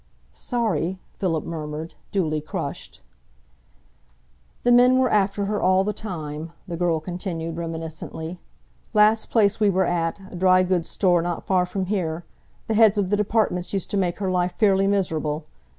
"Sorry," Philip murmured, duly crushed. "The men were after her all the time," the girl continued, reminiscently. "Last place we were at, a dry goods store not far from here, the heads of the departments used to make her life fairly miserable.